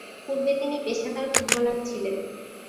পূর্বে তিনি পেশাদার ফুটবলার ছিলেন।